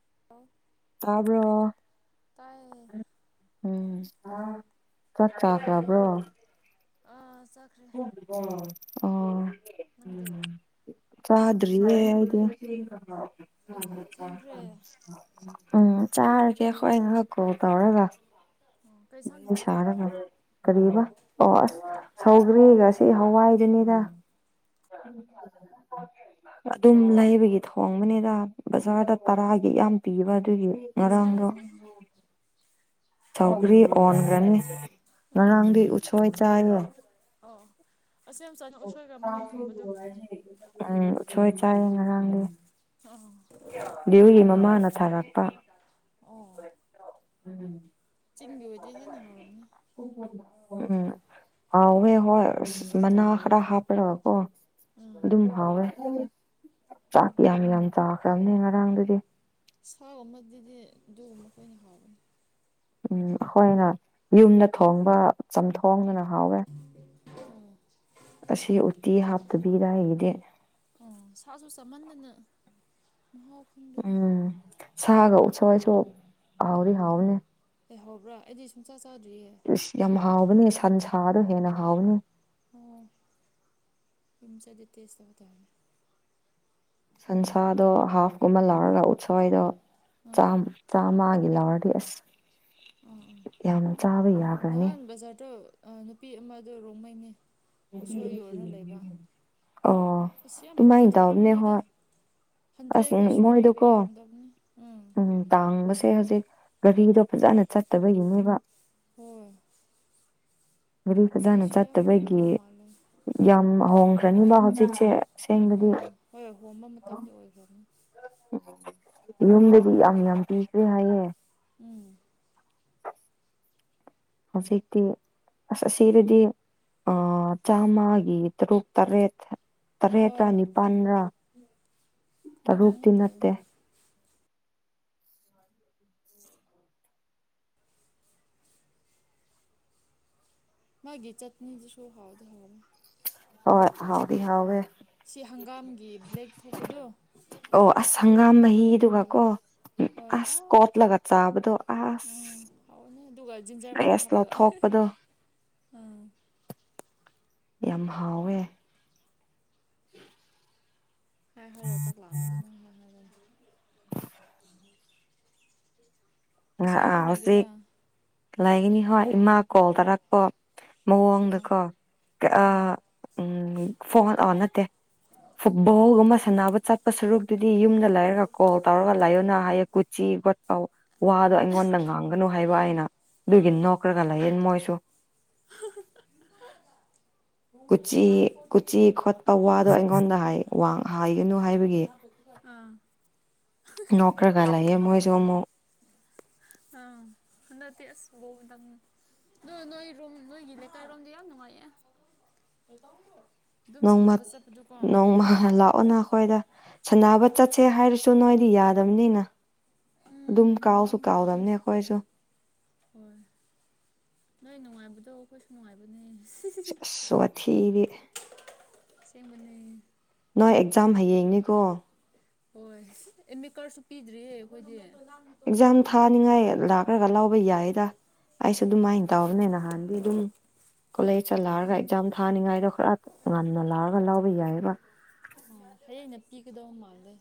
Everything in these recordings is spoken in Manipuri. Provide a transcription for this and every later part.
[inaudible] ꯇꯥꯕꯔꯣ ꯇꯥꯏꯌꯦ ꯎꯝ ꯆꯛ ꯀꯩꯗꯧꯔꯤꯅꯣ ꯆꯥꯈ꯭ꯔꯕ꯭ꯔꯣ ꯑꯥ ꯆꯥꯈ꯭ꯔꯦ ꯑꯣ [inaudible] ꯆꯥꯗꯔꯤ ꯑꯩꯗꯤ ꯑꯦ ꯊꯦꯡꯈ꯭ꯔꯦ ꯎꯝ ꯆꯥꯔꯒꯦ ꯑꯩꯈꯣꯏꯅ ꯀꯣꯜ ꯇꯧꯔꯒ ꯑꯣ ꯀꯩ ꯏꯟꯁꯥꯡ ꯊꯣꯡꯕ꯭ꯔꯥ ꯁꯥꯔꯒ ꯀꯔꯤꯕ ꯑꯣ ꯑꯁ ꯁꯧꯒ꯭ꯔꯤꯒ ꯁꯤ ꯍꯋꯥꯏꯗꯨꯅꯤꯗ [unintelligible] ꯑꯗꯨꯝ ꯂꯩꯕꯒꯤ ꯊꯣꯡꯕꯅꯤꯗ ꯕꯖꯥꯔꯗ ꯇꯔꯥꯒꯤ ꯌꯥꯝ ꯄꯤꯕ ꯑꯗꯨꯒꯤ ꯏꯟꯁꯥꯡꯅ ꯉꯔꯥꯡꯗꯣ ꯁꯧꯒ꯭ꯔꯤ ꯑꯣꯟꯈ꯭ꯔꯅꯤ ꯑꯥ ꯉꯔꯥꯡꯗꯤ ꯎꯁꯣꯏ ꯆꯥꯏꯉꯦ ꯑꯣ ꯑꯁ ꯌꯥꯝ ꯆꯥꯅ ꯎꯁꯣꯏꯒ ꯃꯪꯒꯟ ꯊꯣꯡꯕꯗꯣ ꯎꯝ ꯎꯁꯣꯏ ꯆꯥꯏ ꯉꯔꯥꯡꯗꯦ ꯑꯥ ꯕꯤꯌꯨꯒꯤ ꯍꯥꯎꯔꯝꯃꯅꯤ ꯃꯃꯥꯅ ꯊꯥꯔꯛꯄ ꯑꯣ ꯎꯝ ꯆꯤꯡꯒꯤ ꯑꯣꯏꯗꯤ ꯍꯟꯅ ꯍꯧꯔꯝꯒꯅꯤ ꯍꯥꯎꯋꯦ ꯍꯣꯏ ꯃꯅꯥ ꯈꯔ ꯍꯥꯞꯄ ꯒꯀꯣ ꯎꯝ ꯑꯗꯨꯝ ꯍꯥꯎꯋꯦ ꯆꯥꯛ ꯌꯥꯝ ꯌꯥꯝ ꯆꯥꯈ꯭ꯔꯕꯅꯦ ꯉꯔꯥꯡꯗꯨꯗꯤ ꯁꯥꯥꯎꯕ ꯑꯃꯗꯤ ꯑꯗꯨꯗꯤ ꯑꯗꯨꯒ ꯃꯈꯣꯏꯅ ꯍꯥꯎꯕꯅꯤ ꯎꯝ ꯑꯩꯈꯣꯏꯅ ꯌꯨꯝꯗ ꯊꯣꯡꯕ ꯆꯝꯊꯣꯡꯗꯅ ꯍꯥꯎꯋꯦ ꯎꯝ ꯑꯁꯤ ꯎꯇꯤ ꯍꯥꯞꯇꯕꯤꯗ ꯑꯩꯗꯤ ꯑꯣ ꯁꯥꯁꯨ ꯁꯃꯟꯗꯅ ꯃꯍꯥꯎ ꯐꯪꯗꯗ ꯎꯝ ꯁꯥꯒ ꯎꯁꯋꯥꯏꯁꯨ ꯍꯥꯎꯔꯤ ꯍꯥꯎꯅꯦ ꯂꯩꯩꯍꯧꯕ꯭ꯔꯥ ꯑꯩꯗꯤ ꯁꯨꯡꯥꯠ ꯑꯁ ꯌꯥꯝ ꯍꯥꯎꯕꯅꯦ ꯁꯟꯁꯗꯣ ꯍꯦꯟꯅ ꯍꯥꯎꯅꯤ ꯑꯣ ꯏ ꯆ ꯑꯗꯨ ꯇꯁ ꯇꯧꯕ ꯇꯦ ꯁꯟꯁꯥꯗꯣ ꯍꯥꯐꯀꯨꯝꯕ ꯂꯧꯔꯒ ꯎꯠꯁꯣꯏꯗꯣ ꯎꯝ ꯆꯥꯝꯃ ꯒꯤ ꯂꯥꯔꯗꯤ ꯑꯁ ꯎꯝ ꯎꯝ ꯌꯥꯝꯅ ꯆꯥꯕ ꯌꯥꯈ꯭ꯔꯅꯤ ꯑ ꯅꯨꯄꯤ ꯑꯃꯗ ꯔꯣꯡꯃꯩꯅꯤ ꯑꯣ ꯇꯨꯃꯥꯏ ꯏꯗꯅꯦ ꯍꯣꯏ ꯑꯁ ꯍꯟꯗ꯭ꯔꯦꯒꯤꯁꯨ ꯃꯣꯏꯗꯣꯀꯣ ꯌꯥꯝꯗꯕꯅꯤ ꯎꯝ ꯦ ꯍꯧꯖꯤꯛ ꯒꯥꯔꯤꯗꯣ ꯐꯖꯅ ꯆꯠꯇꯕꯒꯤꯅꯦꯕ ꯎꯝ ꯔꯤꯁꯖꯅ ꯆꯠꯠꯇꯕꯒꯤ ꯃꯥꯜꯂꯦ ꯌꯥꯝ ꯍꯣꯡꯈ꯭ꯔꯅꯤꯕ ꯍꯧꯖꯤꯛꯁꯦ ꯁꯦꯡꯕꯗꯤ ꯀꯣꯝꯕ ꯃꯇꯝꯗ ꯑꯣꯏꯈꯕꯅꯤ ꯌꯨꯝꯗꯦꯕꯤ ꯑ ꯌꯥꯝ ꯄꯤꯤꯁꯔꯦ ꯍꯥꯏꯦ ꯎꯝ ꯍꯧꯖꯤꯛꯇꯤ ꯑꯁ ꯑꯁꯤꯗꯗꯤ ꯑ ꯆꯥꯝꯃꯒꯤ ꯇꯔꯨꯛ ꯇꯔꯦꯠ ꯇꯔꯦꯠꯔꯥ ꯍꯣꯏ ꯅꯤꯄꯥꯜꯒꯥ ꯑꯗꯨꯝ ꯇꯔꯨꯛꯇꯛꯇꯤ ꯉꯥꯛꯇ ꯅꯠꯇꯦ ꯑꯣꯏꯔꯝꯅꯤ ꯃꯥꯒꯤ ꯆꯠꯅꯤꯗꯤ ꯁ ꯐꯥꯎꯗ ꯍ ꯍ ꯍꯧꯥꯎꯗꯤ ꯍꯥꯎꯋꯦ ꯁꯤ ꯍꯪꯒꯥꯝꯒꯤ ꯕ꯭ꯂꯦꯛ ꯊꯣꯛꯄꯗꯣ ꯑꯣ ꯑꯁ ꯑꯗꯨ ꯍꯪꯒꯥꯝ ꯑꯃꯗꯨ ꯃꯍꯤꯗꯨꯒ ꯊꯣꯡꯕꯅꯤ ꯀꯣ ꯑꯁ ꯀꯠ ꯂꯒ ꯆꯕꯗ ꯑꯁ ꯎꯝ ꯍꯥꯎꯕꯅꯦ ꯑꯗꯨꯒ ꯖꯤꯟꯖꯔ ꯃꯅꯥ ꯐ꯭ꯔꯦꯁ ꯍꯥꯞꯄꯒ ꯂꯧꯊꯣꯛꯄꯗꯣ ꯎꯥ ꯌꯥꯝ ꯍꯥꯎꯋꯦ ꯎ ꯍ ꯍꯣꯏ ꯔ ꯆꯥꯛ ꯀ꯭ꯂ ꯂꯥꯟꯅꯤꯃꯤꯅꯪ ꯍꯥꯏ ꯍꯥꯏꯔ ꯉꯁꯤ ꯑꯥ ꯑꯗꯨꯝ ꯂꯩꯒꯦꯔꯥ ꯍꯧꯖꯤꯛ ꯂꯩꯒꯅꯤ ꯍꯣꯏ ꯏꯃꯥ ꯀꯣꯜ ꯎꯝ ꯇꯥꯔꯛꯄꯣ ꯑꯥ ꯃꯑꯣꯡꯗꯀꯣ ꯑꯥ ꯎꯝ ꯐꯣꯟ ꯅꯠꯇꯦ ꯐꯨꯠꯕꯣꯜꯒꯨꯝꯕ ꯁꯥꯟꯅꯕ ꯆꯠꯄ ꯁꯔꯨꯛꯇꯨꯗꯤ ꯌꯨꯝꯗ ꯂꯩꯔꯒ ꯀꯣꯜ ꯇꯧꯔꯒ ꯂꯥꯏꯌꯑꯣꯅ ꯍꯥꯏꯌꯦ ꯀꯨꯆꯤ ꯑ ꯋꯥꯗꯣ ꯑꯩꯉꯣꯟꯗ ꯉꯥꯡꯒꯅꯨ ꯍꯥꯏꯕ ꯑꯩꯅ ꯑꯗꯨꯒꯤ ꯑꯥ ꯅꯣꯛꯈ꯭ꯔꯒ ꯂꯩꯌꯦꯟ ꯃꯣꯏꯁꯨ [unintelligible] ꯄꯨꯡ ꯀꯨꯆꯤ ꯅꯥꯏꯟ ꯐꯣꯔꯇꯤ ꯀꯨꯆꯤ ꯈꯣꯠꯄ ꯋꯥꯗꯣ ꯑꯩꯉꯣꯟꯗ ꯍꯥꯏ ꯋꯥ ꯍꯥꯏꯒꯅꯨ ꯍꯥꯏꯕꯒꯤ ꯑꯥ ꯅꯀ꯭ꯔꯒꯂꯥꯏꯦ ꯃꯣꯏꯁꯨ ꯑꯅꯗꯤ ꯑꯁꯕꯣꯗꯪ ꯅꯣꯏ ꯅꯣꯏꯔꯣ ꯅꯣꯏꯒꯤ ꯂꯩ ꯀꯥꯏꯔꯣꯗ ꯌꯥꯝ ꯅꯨꯡꯉꯥꯏ ꯑꯗꯨꯝ ꯅꯣꯡꯃ ꯁꯥꯟꯅꯕ ꯆꯠꯄꯗ ꯅꯣꯡꯃ ꯂꯥꯛꯑꯣ ꯅ ꯑꯩꯈꯣꯏꯗ ꯁꯥꯟꯅꯕ ꯆꯠꯁꯦ ꯍꯥꯏꯔꯁꯨ ꯅꯣꯏꯗꯤ ꯌꯥ ꯗꯝꯅꯤꯅ ꯑꯗꯨꯝ ꯎꯝ ꯀꯥꯎꯁꯨ ꯃꯝꯈ꯭ꯔꯗꯤ ꯀꯥꯎꯗꯕꯅꯦ ꯑꯩꯈꯣꯏꯁꯨ ꯍꯣꯏ ꯅꯣꯏ ꯅꯨꯡꯉꯥꯏꯕꯗꯣ ꯑꯩꯈꯣꯏꯁꯨ ꯅꯨꯡꯉꯥꯏꯕꯅꯦ ꯁ꯭ꯋꯥꯊꯕꯤ ꯁꯤꯕꯅꯦ ꯅꯣꯏ ꯑꯦꯛꯖꯥꯝ ꯍꯌꯦꯡꯅꯤꯀꯣ ꯍꯣꯏ ꯑꯦꯃꯤꯠ ꯀꯔꯁꯨ ꯄꯤꯗ꯭ꯔꯤꯌꯦ ꯑꯩꯈꯣꯏꯗꯤꯦ ꯑꯦꯛꯖꯥꯝ ꯊꯥꯅꯤꯡꯉꯥꯏ ꯂꯥꯛꯈ꯭ꯔꯒ ꯂꯥꯎꯑꯣ ꯇ ꯌꯥꯏꯌꯦꯗ ꯑꯩꯁꯨ ꯑꯗꯨꯃꯥꯏꯅ ꯇꯥꯎꯕꯅꯦ ꯅꯍꯥꯟꯗꯤ ꯑꯗꯨꯝ ꯀꯣꯂꯦꯖꯇ ꯂꯥꯔꯒ ꯈꯪ ꯑꯦꯛꯖꯥꯝ ꯊꯥꯅꯤꯉꯥꯏꯗꯣ ꯈꯔ ꯉꯟꯅ ꯂꯥꯎꯔꯒ ꯂꯥꯎꯕ ꯌꯥꯏꯑꯕ ꯑꯣ ꯍꯌꯦ ꯑꯩꯅ ꯄꯤꯒꯗꯧ ꯃꯥꯜꯂꯦ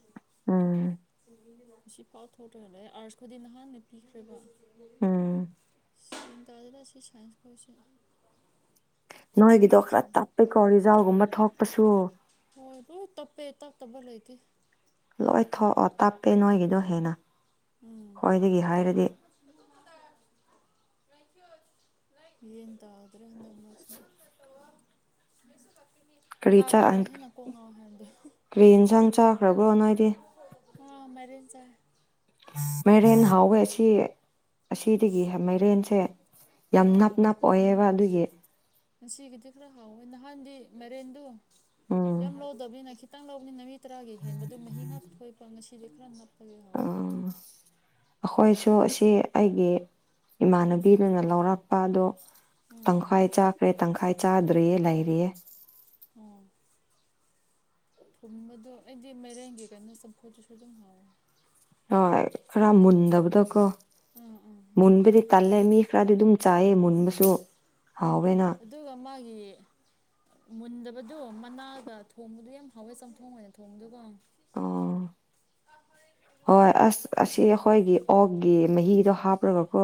ꯎꯝ ꯁꯤ ꯄꯥꯎꯊꯣꯛꯈ꯭ꯔꯦꯗ ꯑꯥꯔꯁ ꯈꯗꯤ ꯅꯍꯥꯟꯅ ꯄꯤꯈ꯭ꯔꯦꯕ ꯑꯝ ꯇꯖꯗ ꯑꯁꯤ ꯁꯥꯏꯟꯁ ꯀꯁꯤ ꯅꯣꯏꯒꯤꯗꯣ ꯈꯔ ꯇꯞꯄꯩꯀꯣ ꯔꯤꯖꯥꯎꯒꯨꯝꯕ ꯊꯣꯛꯄꯁꯨ ꯍꯣꯏ ꯑꯗꯨ ꯇꯄꯦ ꯑ ꯇ ꯇꯕꯂꯥꯏꯇ ꯂꯣꯏ ꯊꯣꯛꯑꯣ ꯇꯞꯄꯦ ꯅꯣꯏꯒꯤꯗꯣ ꯍꯦꯟꯅ ꯈꯣꯏꯗꯒꯤ ꯍꯥꯏꯔꯗꯤ ꯍ ꯇꯥꯒ꯭ꯔꯍ ꯅꯃꯁ ꯀꯔꯤ ꯍꯥꯏꯕꯗꯣ ꯀꯔꯤ ꯌꯦꯟꯁꯥꯡ ꯆꯥꯈ꯭ꯔꯕ꯭ꯔꯣ ꯅꯅꯥ ꯍꯥꯏꯗꯤ ꯑ ꯃꯔꯤꯖ ꯃꯦꯔꯦꯟ ꯍꯥꯎ ꯑꯁꯤꯁꯤ ꯑꯁꯤꯗꯒꯤ ꯃꯥꯏꯔꯦꯟꯁꯦ ꯌꯥꯝ ꯑꯥ ꯅꯞ ꯅꯞ ꯑꯣꯏꯑꯕ ꯊꯨꯝꯃꯦ ꯑꯗꯨꯒꯤ ꯉꯁꯤꯒꯤꯗꯤ ꯈꯔ ꯍꯥꯎꯋꯦ ꯅꯍꯥꯟꯗꯤ ꯃꯔꯦꯟꯗꯨ ꯎꯝ ꯌꯥꯝ ꯂꯧꯗꯕꯅꯤꯅ ꯈꯤꯇꯪ ꯂꯧꯕꯅꯤꯅ ꯅꯨꯃꯤ ꯇꯔꯥꯒꯤ ꯍꯦꯟꯕꯗꯨ ꯃꯍꯤ ꯉꯥ ꯊꯣꯛꯄ ꯉꯁꯤꯗꯤ ꯈꯔ ꯅꯞ ꯑꯣꯥ ꯑꯩꯈꯣꯏꯁꯨ ꯑꯁꯤ ꯑꯩꯒꯤ ꯏꯃꯥꯟꯅꯕꯤꯗꯨꯅ ꯂꯧꯔꯛꯄ ꯑꯗꯣ ꯎꯝ ꯇꯪꯈꯥꯏ ꯆꯥꯈ꯭ꯔꯦ ꯇꯪꯈꯥꯏ ꯆꯥꯗ꯭ꯔꯤꯌꯦ ꯂꯩꯔꯤꯌꯦꯦ ꯎꯝ ꯊꯨꯝꯕꯗꯣ ꯑꯩꯗꯤ ꯃꯩꯔꯦꯟꯒꯤ ꯀꯩꯅꯣ ꯆꯝꯈꯣꯠꯇꯁꯨ ꯑꯗꯨꯝ ꯍꯥꯎꯋꯦ ꯍꯣꯏ ꯔꯥ ꯃꯨꯟꯗꯕꯗ ꯀꯣ ꯎꯝ ꯎꯝ ꯃꯨꯟꯕꯗꯤ ꯍꯣꯏ ꯇꯜꯂꯦ ꯃꯤ ꯈꯔꯗꯤ ꯑꯗꯨꯝ ꯆꯥꯏꯑ ꯃꯨꯟꯕꯁꯨ ꯎꯝ ꯍꯥꯎꯋꯦꯅ ꯑꯗꯨꯒ ꯃꯥꯒꯤ ꯃꯨꯟꯗꯕꯗꯣ ꯃꯅꯥꯒ ꯊꯣꯡꯕꯗꯣ ꯌꯥꯝ ꯍꯥꯎꯋꯦ ꯆꯝꯊꯣꯡ ꯑꯣꯏꯅ ꯊꯣꯡꯕꯗꯨꯒ ꯑꯣ ꯍꯣꯏ ꯑꯁ ꯑꯁꯤ ꯑꯩꯈꯣꯏꯒꯤ ꯑꯣꯛꯀꯤ ꯃꯍꯤꯗꯣ ꯍꯥꯞꯄ꯭ꯔꯒꯀꯣ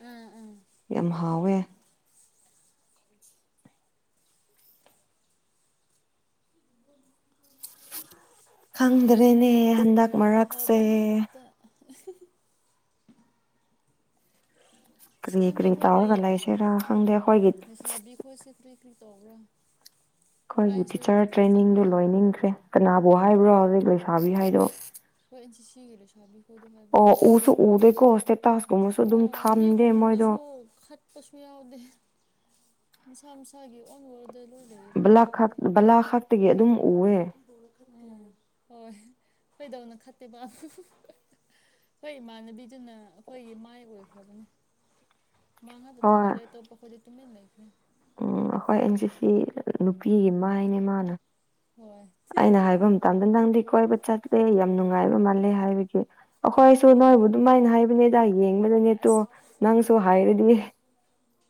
ꯎꯝ ꯎꯝ ꯌꯥꯝ ꯍꯥꯎꯋꯦ ꯈꯪꯗ꯭ꯔꯦꯅꯦ ꯍꯟꯗꯛ ꯍꯥꯎ ꯃꯔꯛꯁꯦ ꯍꯥꯎꯕ ꯉꯥꯛꯇ [inaudible] ꯑꯁ ꯀꯔꯤ ꯈꯪꯗꯦ ꯀꯔꯤ ꯑꯩꯈꯣꯏꯒꯤ ꯇꯥꯎꯔꯒ ꯂꯩꯁꯤꯦꯔꯥ ꯈꯪꯗꯦ ꯑꯩꯈꯣꯏꯒꯤ ꯐ ꯇꯧꯕ꯭ꯔꯥ ꯑꯩꯈꯣꯏꯒꯤ ꯑꯣꯟꯂꯥꯏꯟꯁꯨ ꯇꯤꯆꯔ ꯄꯥꯛ ꯇ꯭ꯔꯦꯅꯤꯡꯗꯨ ꯆꯪꯗꯦ ꯂꯣꯏꯅꯤꯡꯈ꯭ꯔꯦ ꯀꯅꯥꯕꯨ ꯍꯥꯏꯕ꯭ꯔꯣ ꯍꯧꯖꯤꯛ ꯂꯣꯏꯁꯥꯕꯤ ꯍꯥꯏꯗꯣ ꯀꯣꯏꯆ ꯁꯤꯒꯦ ꯁꯝ ꯑꯣ ꯎꯁꯨ ꯎꯗꯦꯀꯣ ꯏꯁꯇꯦꯇꯥꯁꯀꯨꯝꯕꯁꯨ ꯑꯗꯨꯝ ꯍꯣꯏ ꯊꯝꯗꯦ ꯃꯣꯏꯗꯣ ꯌꯥꯗꯦ ꯃꯁꯥ ꯃꯁꯥꯒꯤ ꯑꯣꯟ ꯑꯣꯗ ꯕꯂꯥ ꯈ ꯕꯂꯥ ꯈꯥꯛꯇꯒꯤ ꯑꯗꯨꯝ ꯎꯑꯦ ꯎꯝ ꯍꯣꯏ ꯀꯩꯗꯧꯅ ꯈꯠꯇꯦꯕ ꯍꯣꯏ ꯏꯃꯥꯟꯅꯕꯤꯗꯨꯅ ꯑꯩꯈꯣꯏꯒꯤ ꯃꯥꯏ ꯑꯣꯏꯈ꯭ꯔꯕꯅꯤ ꯃꯥꯡꯉꯗ ꯍꯣꯏ ꯊꯒꯂꯦ ꯇꯣ ꯄꯈꯣꯗꯤ ꯇꯃꯤ ꯂꯩ ꯎꯝ ꯑꯩꯈꯣꯏ ꯑꯪꯁꯤꯁꯤ ꯅꯨꯄꯤꯒꯤ ꯃꯥ ꯍꯥꯏꯅꯦ ꯃꯥꯅ ꯍꯣꯏ ꯑꯩꯅ ꯍꯥꯏꯕ ꯑꯃꯇꯪꯗꯟ ꯇꯪꯗꯤ ꯀꯣꯏꯕ ꯆꯠꯁꯤꯗꯤ ꯌꯥꯝ ꯅꯨꯡꯉꯥꯏꯕ ꯃꯥꯜꯂꯦ ꯍꯥꯏꯕꯒꯤ ꯑꯩꯈꯣꯏꯁꯨ ꯎꯝ ꯅꯣꯏꯕꯨ ꯑꯗꯨꯃꯥꯏꯅ ꯍꯥꯏꯕꯅꯦꯗ ꯌꯦꯡꯕꯗꯅꯦꯠꯇꯣ ꯑꯁ ꯅꯪꯁꯨ ꯍꯥꯏꯔꯗꯤ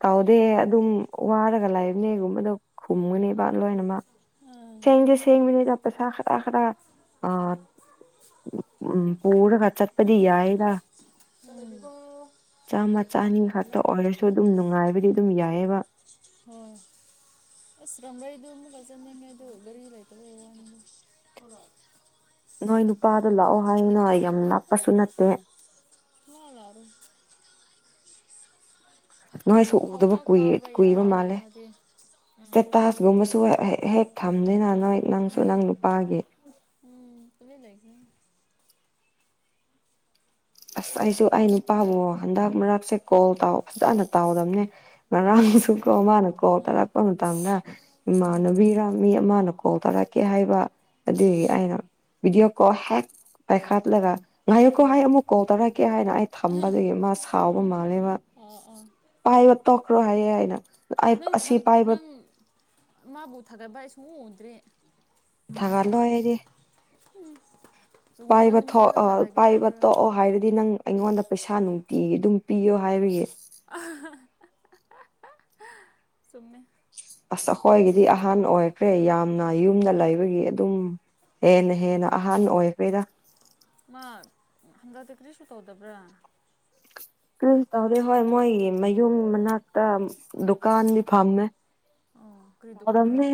ꯇꯥꯎꯗꯦ ꯑꯗꯨꯝ ꯋꯥꯔꯒ ꯂꯕꯅꯦꯒꯨꯝꯕꯗꯣ ꯈꯨꯝꯒꯅꯦꯕ ꯂꯣꯏꯅꯃꯛ ꯎꯝ ꯁꯦꯡꯖꯦ ꯁꯦꯡ ꯃꯤꯅꯤ ꯆꯄꯦꯁꯔꯈꯔ ꯑ ꯎꯝ ꯄꯔ ꯐꯆꯠꯄꯗꯤꯌꯥ ꯏꯗ ꯆꯥꯝꯃ ꯆꯅꯤ ꯈꯥꯛꯛꯇ ꯎꯝ ꯑꯣꯏꯔꯁꯨ ꯑꯗꯨꯝ ꯅꯨꯡꯉꯥꯏꯕꯗꯤ ꯑꯗꯨꯝ ꯌꯥꯏꯑꯕ [inaudible] ꯇꯝꯕ ꯏ ꯀ ꯆꯟ ꯔꯤꯔ ꯂꯩ ꯅꯣꯏ ꯅꯨꯄꯥꯗꯣ ꯂꯥꯛꯑꯣ ꯍꯥꯏꯅ ꯌꯥꯝ ꯂꯞꯄꯁꯨ ꯅꯠꯇꯦ ꯍ ꯅꯣꯏꯁꯨ ꯄꯥꯛ ꯎꯗꯕꯏ ꯀꯥꯕ ꯀꯨꯏꯕ ꯌꯥꯗꯦ ꯃꯥꯜꯂꯦ ꯃꯥꯗꯤ ꯎꯝ ꯁꯇꯦꯇꯥꯁꯒꯨꯝꯕꯁꯨ ꯍꯦꯛ ꯊꯝꯖꯅ ꯎꯝ ꯇꯃꯤ ꯂꯩꯈꯤ ꯑꯁ ꯑꯩꯁꯨ ꯑꯩ ꯅꯨꯄꯥꯕꯨꯣ ꯍꯟꯗꯛ ꯃꯔꯛꯁꯦ ꯀꯣꯜ ꯐꯖꯅ ꯇꯥꯎꯗꯕꯅꯦ ꯉꯥꯡꯁꯨ ꯑꯃꯅ ꯀꯣꯜ ꯎꯝ ꯇꯥꯔꯛꯄ ꯃꯇꯝꯥꯡꯗ ꯎꯝ ꯏꯃꯥꯟꯅꯕꯤꯔꯝꯃꯤ ꯑꯃꯅ ꯀꯣꯜ ꯇꯥꯔꯛꯀꯦ ꯍꯥꯏꯕ ꯎꯝ ꯑꯗꯨꯗ ꯑꯅ ꯕꯤꯗꯤꯑꯣ ꯀ ꯍꯦꯛ ꯄꯥꯏꯈꯥꯠꯂꯒ ꯉꯥꯏꯌꯣꯛꯀꯣ ꯍꯥꯏ ꯑꯃꯨꯛ ꯀꯣꯜ ꯇꯧꯔꯛꯀꯦ ꯍꯥꯏꯅ ꯑꯩ ꯊꯝꯕꯗꯒꯤ ꯃꯥ ꯍꯥꯎꯕ ꯃꯥꯜꯂꯦꯕ ꯑꯣ ꯑꯣ ꯄꯥꯏꯕ ꯇꯣꯛꯈ꯭ꯔꯣ ꯍꯥꯏꯌꯦꯦ ꯍꯥꯏꯅ ꯅꯪ ꯅꯪ ꯃꯥꯕꯨ ꯊꯥꯒꯠꯄ ꯑꯩ ꯁꯨꯝ ꯑꯣꯣꯟꯟꯗ꯭ꯔꯦ ꯊꯒꯔꯂꯣꯗꯤꯦ ꯂꯨꯍꯣꯡꯕ ꯄꯥꯏꯕ ꯅꯨꯃꯤꯠ ꯊꯣꯛ ꯉꯥꯛꯇ ꯑ ꯊꯥꯒꯠꯒꯦ ꯄꯥꯏꯕ ꯍꯥꯏꯕ꯭ꯔꯥ ꯊꯣꯛꯑꯣ ꯍꯥꯏꯔꯗꯤ ꯅꯪ ꯑꯩꯉꯣꯟꯗ ꯄꯩꯁꯥ ꯅꯨꯡꯇꯤꯒꯤ ꯑꯗꯨꯝ ꯄꯤꯌꯣ ꯍꯥꯏꯕꯒꯤ ꯆꯨꯝꯃꯦ ꯑꯁ ꯑꯩꯈꯣꯏꯒꯤꯗꯤ ꯑꯍꯥꯟ ꯑꯣꯏꯈ꯭ꯔꯦ ꯌꯥꯝꯅ ꯌꯨꯝꯗ ꯂꯩꯕꯒꯤ ꯑꯗꯨꯝ ꯍꯦꯟꯅꯥ ꯍꯦꯟꯅ ꯑꯍꯥꯟ ꯑꯣꯏꯈꯔ꯭ꯦꯗ ꯃꯥ ꯍꯟꯗꯛꯇ ꯀꯔꯤꯁꯨ ꯇꯧꯗꯕ꯭ꯔꯥ ꯎ ꯇꯧꯗꯦ ꯍꯣꯏ ꯃꯣꯏ ꯃꯌꯨꯝ ꯃꯅꯥꯛꯇ ꯗꯨꯀꯥꯟꯗꯤ ꯐꯝꯃꯦ ꯑꯣ ꯀꯔꯤ ꯗꯨꯀꯥꯟꯔꯣ ꯃꯔꯝꯃꯦ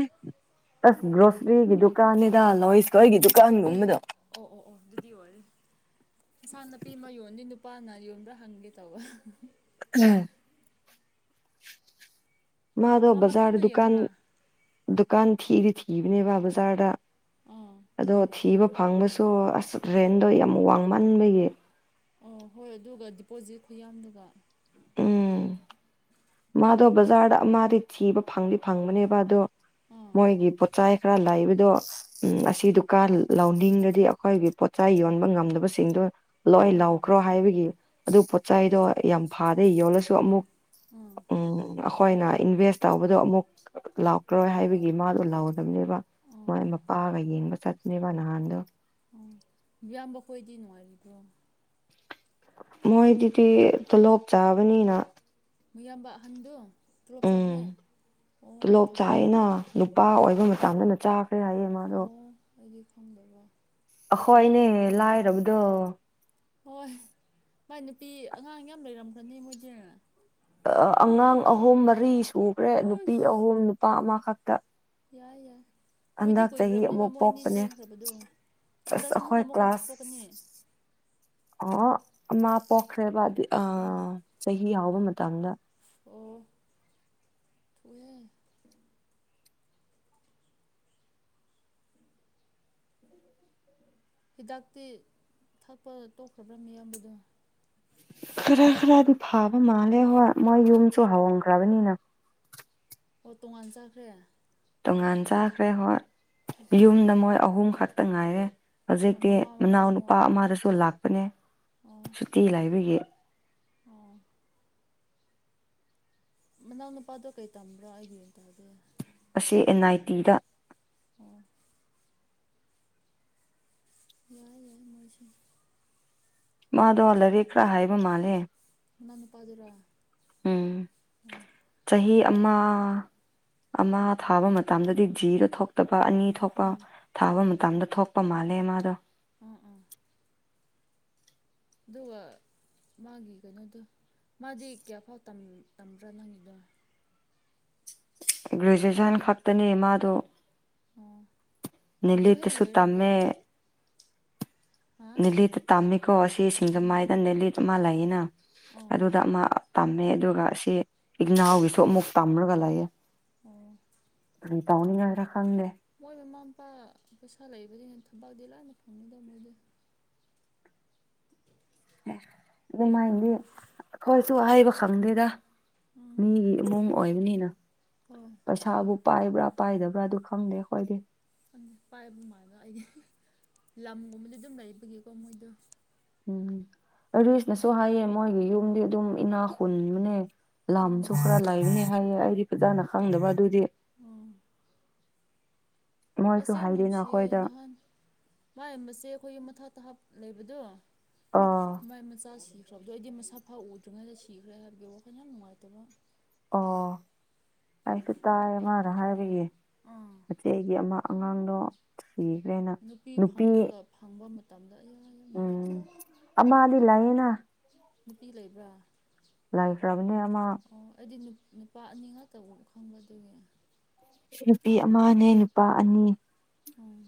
ꯑꯁ ꯒ꯭ꯔꯣꯁꯔꯤꯒꯤ ꯗꯨꯀꯥꯟꯅꯤꯗ ꯂꯣꯁ ꯈꯣꯏꯒꯤ ꯑꯦ ꯗꯨꯀꯥꯟꯒꯨꯝꯕꯗꯣ ꯑꯣ ꯑꯣ ꯑꯣ ꯑꯗꯨꯗꯤ ꯑꯣꯏꯔꯦ ꯏꯟꯥ ꯅꯥꯄꯤ ꯑꯃ ꯌꯣꯟꯗ ꯅꯨ ꯅꯨꯄꯥꯅ ꯌꯣꯟꯗ ꯍꯪꯒꯦ ꯇꯧꯕ ꯎꯝ ꯃꯥꯗꯣ ꯃꯥ ꯕꯖꯥꯔ ꯃꯊꯟꯗ ꯗꯨꯀꯥꯟ ꯌꯦꯡꯕ꯭ꯔꯥ ꯗꯨꯀꯥꯟ ꯊꯤꯗꯤ ꯊꯤꯕꯅꯦꯕ ꯕꯖꯥꯔꯗ ꯑꯥ ꯑꯗꯣ ꯊꯤꯕ ꯐꯪꯕꯁꯨ ꯑꯁ ꯔꯦꯟꯗꯣ ꯌꯥꯝ ꯋꯥꯡꯃꯟꯕꯒꯤ ꯑꯣ ꯍꯣꯏ ꯑꯗꯨꯒ ꯗꯤꯄꯣꯖꯤꯠ ꯈꯨꯌꯥꯝꯗꯨꯒ ꯎꯝ ꯃꯥꯗꯣ ꯕꯖꯥꯔꯗ ꯃꯥꯗꯤ ꯊꯤꯕ ꯐꯪꯗꯤ ꯐꯪꯕꯅꯦꯕ ꯑꯗꯣ ꯑꯥ ꯃꯣꯏꯒꯤ ꯄꯣꯠꯆꯥꯏ ꯈꯔ ꯂꯩꯕꯗꯣ ꯎꯝ ꯑꯁꯤ ꯗꯨꯀꯥꯟ ꯂꯧꯅꯤꯡꯔꯗꯤ ꯑꯩꯈꯣꯏꯒꯤ ꯄꯣꯆ ꯌꯣꯟꯕ ꯉꯝꯗꯕꯁꯤꯡꯗꯨ ꯂꯣꯏ ꯑꯥ ꯂꯥꯎꯈ꯭ꯔꯣ ꯍꯥꯏꯕꯒꯤ ꯑꯗꯨ ꯄꯣꯠꯆ ꯆꯩꯗꯣ ꯌꯥꯝ ꯐꯥꯗꯦ ꯌꯣꯜꯂꯁꯨ ꯑꯃꯨꯛ ꯑꯥ ꯎꯝ ꯑꯩꯈꯣꯏꯅ ꯏꯟꯚꯦꯁ ꯇꯧꯕꯗꯣ ꯑꯃꯨꯛ ꯂꯥꯛꯈꯔꯣꯏ ꯍꯥꯏꯕꯒꯤ ꯃꯥꯗꯣ ꯂꯧ [unintelligible] ꯑꯥ ꯃꯣꯏ ꯑꯥ ꯃꯄꯥꯒ ꯌꯦꯡꯕ ꯆꯠꯅꯦꯕ ꯅꯍꯥꯟꯗꯣ ꯑꯣ ꯌꯥꯝꯝꯕ ꯀꯣꯏꯗꯤ ꯅꯨꯡꯉꯥꯏꯔꯤꯕꯣ ꯃꯣꯏꯗꯨꯗꯤ ꯇꯣꯂꯣꯞ ꯆꯥꯕꯅꯤꯅ ꯃꯌꯥꯝꯕ ꯑꯍꯟꯗꯨ ꯇꯂꯣꯞ ꯎꯝ ꯆꯈ꯭ꯔꯦ ꯃꯑꯣꯡꯈꯩ ꯊꯕꯛ ꯇꯧꯕ꯭ꯔꯥ ꯆꯥꯟꯅꯅ ꯆꯥꯛ ꯑꯣ ꯑꯩꯗꯤ ꯐꯪꯗꯕ ꯑꯩꯈꯣꯏꯅꯦ ꯂꯥꯏꯔꯕꯗꯣ ꯍꯣꯏ ꯃꯥꯏ ꯅꯨꯄꯤ ꯑꯉꯥꯡ ꯌꯥꯝ ꯂꯩꯔꯝꯒ꯭ꯔꯅꯤ ꯃꯣꯏꯗꯤ ꯑꯉꯥꯡ ꯑꯍꯨꯝ ꯃꯔꯤ ꯁꯨꯈ꯭ꯔꯦ ꯅꯨꯄꯤ ꯎꯁ ꯑꯍꯨꯝ ꯅꯨꯄꯥ ꯑꯃꯈꯛꯇ ꯌꯥꯏ ꯌꯥꯏ ꯀꯨꯏꯗꯤ ꯍꯟꯗꯛ ꯆꯍꯤ ꯀꯨꯏꯈ꯭ꯔꯕꯅꯦꯕ ꯑꯃꯨꯛ ꯃꯣꯏ ꯑꯅꯤ ꯄꯣꯛꯄꯅꯦ ꯆꯦꯡꯈ꯭ꯔꯕꯗꯣ ꯑꯁ ꯍꯟꯗꯛꯁꯨ ꯑꯃꯨꯛꯀ ꯑꯩꯈꯣꯏ ꯑꯃꯨꯛꯀ ꯀ꯭ꯂꯥꯁ ꯄꯣꯛꯀꯅꯤ ꯑꯣ ꯃꯥ ꯄꯣꯛꯈ꯭ꯔꯦꯕ ꯑ ꯑꯣ ꯆꯍꯤ ꯌꯥꯥꯎꯕ ꯃꯇꯝꯗ ꯑꯣ ꯊꯨꯏꯌꯦ ꯍꯤꯗꯥꯛꯇꯤ ꯊꯛꯄ ꯇꯣꯛꯈ꯭ꯔꯕ꯭ꯔꯥ ꯃꯤꯌꯥꯝꯕꯗ ꯈꯔ ꯈꯔꯗꯤ ꯐꯥꯕ ꯃꯥꯜꯂꯦ ꯍꯣꯏ ꯃꯣꯏ ꯌꯨꯝꯁꯨ ꯍꯣꯡꯈ꯭ꯔꯕꯅꯤꯅ [unintelligible] ꯑꯣ ꯇꯣꯉꯥꯟ ꯆꯥꯈ꯭ꯔꯦ ꯇꯣꯉꯥꯟ ꯆꯥꯈ꯭ꯔꯦ ꯍꯠ ꯑꯗꯨꯗꯤ ꯌꯨꯝꯗ ꯃꯣꯏ ꯑꯍꯨꯝ ꯈꯛꯇ ꯉꯥꯏꯔꯦ ꯑꯣ ꯍꯧꯖꯤꯛꯇꯤ ꯃꯃꯥ ꯃꯄꯥ ꯃꯅꯥꯎꯅꯨꯄꯥ ꯃꯣꯏ ꯑꯃꯗꯁꯨ ꯂꯥꯛꯄꯅꯦ ꯑꯣ ꯁꯨꯇꯤ ꯂꯥꯏꯕꯤꯒꯤ ꯑꯣ ꯃꯅꯥꯎ ꯅꯨꯄꯥꯗꯣ ꯀꯩ ꯇꯝꯕ꯭ꯔꯣ ꯑꯩꯒꯤ ꯑꯣꯏꯅ ꯇꯥꯗꯦ ꯑꯁꯤ ꯑꯦꯟ ꯑꯥꯏ ꯇꯤꯗ ꯑꯣ ꯌꯥꯏ ꯌꯥꯏ ꯃꯣꯏꯖꯦ ꯃꯥꯗꯣ ꯂꯔꯤꯛ ꯈꯔꯥ ꯍꯥꯏꯕ ꯃꯥꯜꯂꯦ ꯃꯅꯥꯎ ꯅꯨꯄꯥꯗꯨꯔꯥ ꯎꯝ ꯆꯍꯤ ꯑꯃ ꯑꯃ ꯊꯥꯕ ꯃꯇꯝꯗꯗꯤ ꯖꯤꯗ ꯊꯣꯛꯇꯕ ꯑꯅꯤ ꯊꯣꯛꯄ ꯎꯝ ꯊꯥꯕ ꯃꯇꯝ ꯃꯇꯝꯗ ꯊꯣꯛꯄ ꯃꯥꯜꯂꯦ ꯃꯥꯗꯣ ꯎꯝ ꯎꯝ ꯑꯗꯨꯒꯋꯥ ꯃꯥꯒꯤ ꯀꯩꯅꯣꯗꯣ ꯃꯥꯗꯤ ꯀꯌꯥꯐꯥꯎ ꯇꯝꯕ꯭ꯔꯥ ꯅꯪꯒꯤꯗꯣ ꯒ꯭ꯔꯦꯖꯨꯑꯦꯁꯟ ꯈꯛꯇꯅꯦ ꯃꯥꯗꯣ ꯑꯣ ꯑꯗꯨ ꯍꯦꯛ ꯅꯂꯇꯁꯨ ꯂꯣꯏꯔꯒ ꯇꯃꯦ ꯍꯥ ꯅꯤꯂꯤꯠꯇ ꯇꯝꯃꯤꯀꯣ ꯑꯁꯤ ꯎꯝ ꯁꯤꯡꯖꯃꯥꯏꯗ ꯅꯤꯂꯤꯠ ꯑꯃ ꯂꯩꯌꯦꯅ ꯑꯣ ꯑꯗꯨꯗ ꯑꯃ ꯇꯝꯃꯦ ꯑꯗꯨꯒ ꯑꯁꯤ ꯏꯛꯅꯥꯎꯒꯤꯁꯨ ꯑꯃꯨꯛ ꯇꯝꯔꯒ ꯂꯩꯌꯦꯦ ꯑꯣ ꯀ ꯇꯧꯅꯤꯡꯉꯥꯏꯔ ꯈꯪꯗꯦ ꯊꯝꯄꯥꯎꯗ ꯂ ꯑꯅ ꯐꯣꯟꯗꯧꯃꯗ ꯑꯦ ꯑꯗꯨꯃꯥꯏꯅꯗꯤ ꯑꯩꯈꯣꯏꯁꯨ ꯍꯩꯕ ꯈꯪꯗꯦꯗ ꯎꯝ ꯃꯤꯒꯤ ꯏꯃꯨꯡ ꯑꯣꯏꯕꯅꯤꯅ ꯍꯣꯏ ꯄꯩꯁꯥꯕꯨ ꯄꯥꯏꯕ꯭ꯔꯥ ꯄꯥꯏꯗꯕ꯭ꯔꯥ ꯑꯗꯨ ꯈꯪꯗꯦ ꯑꯩꯈꯣꯏꯗꯤ ꯪ ꯄꯥꯏꯕ ꯃꯥꯜꯂꯣ ꯑꯩꯗꯤ ꯂꯝꯒꯨꯝꯕꯗꯤ ꯑꯗꯨꯝ ꯂꯩꯕꯒꯤꯀꯣ ꯃꯣꯏꯗꯣ ꯎꯝ ꯑꯔꯤꯁꯅꯁꯨ ꯍꯥꯏꯌꯦ ꯃꯣꯏꯒꯤ ꯌꯨꯝꯗꯤ ꯑꯗꯨꯝ ꯏꯅꯥ ꯍꯨꯟꯕꯅꯦ ꯂꯥꯝꯁꯨ ꯎꯝ ꯈꯔ ꯂꯩꯕꯅꯦ ꯍꯥꯏꯌꯦ ꯑꯩꯗꯤ ꯐꯖꯥꯅ ꯈꯪꯗꯕ ꯑꯗꯨꯏꯗꯤ ꯎ ꯃꯣꯏꯁꯨ ꯑꯁ ꯌꯥꯝ ꯍꯥꯏꯗꯦꯅ ꯅꯨꯡꯁꯤꯌꯦ ꯑꯩꯈꯣꯏꯗ ꯅꯍꯥꯟ ꯃꯥꯏꯕꯁꯦ ꯑꯩꯈꯣꯏꯒꯤ ꯃꯊꯥꯇ ꯍꯥꯞ ꯂꯩꯕꯗꯣ ꯑꯣ ꯃꯥꯏꯃꯆꯥꯁꯨ ꯄ꯭ꯔꯞꯗꯣ ꯑꯩꯗꯤ ꯃꯁꯥ ꯐꯥ ꯎꯗ꯭ꯔꯤꯉꯩꯗ ꯁꯤꯈ꯭ꯔꯦ ꯍꯥꯏꯕꯒꯤ ꯋꯥꯈꯜ ꯌꯥꯝ ꯅꯨꯡꯉꯥꯏꯇꯕ ꯑꯣ ꯑꯩꯁꯨ ꯇꯥꯏ ꯑꯃꯔ ꯍꯥꯏꯕꯒꯤ ꯑꯥ ꯃꯆꯦꯒꯤ ꯑꯃ ꯑꯉꯥꯡꯗ ꯅꯨꯄꯤ ꯐꯪꯗ꯭ꯔꯒ ꯐꯪꯕ ꯃꯇꯝꯗ ꯑ ꯎꯝ ꯑꯃ ꯂꯤꯂꯌꯦꯅꯥ ꯅꯨꯄꯤ ꯂꯩꯕ꯭ꯔꯥ ꯂꯥꯏꯐ꯭ꯔꯕꯅꯦ ꯑꯃ ꯑꯃ ꯑꯣ ꯑꯩꯗꯤ ꯅꯨ ꯅꯨꯄꯥ ꯑꯅꯤ ꯉ ꯇꯧꯕ ꯈꯪꯕꯗꯨꯒꯤ ꯅꯨꯄꯤ ꯑꯃꯅꯦ ꯅꯨꯄꯥ ꯑꯅꯤ ꯎꯝ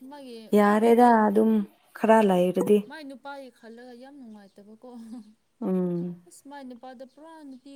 ꯑ ꯃꯥꯒꯤ ꯌꯥꯔꯦꯗ ꯑꯩꯗꯤ ꯑꯗꯨꯝ ꯈꯔ ꯍꯣꯏ ꯂꯩꯔꯗꯤ ꯃꯥꯥꯏ ꯅꯨꯄꯥꯒꯤ ꯈꯜꯂꯒ ꯌꯥꯝ ꯅꯨꯡꯉꯥꯏꯇꯕꯀꯣ ꯎꯝ ꯑꯁ ꯃꯥꯏ ꯅꯨꯄꯥꯗ ꯄꯨꯔꯥ ꯅꯨꯄꯤ